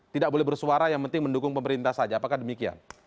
tidak boleh bersuara yang penting mendukung pemerintah saja apakah demikian